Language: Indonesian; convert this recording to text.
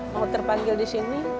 mau terpanggil di sini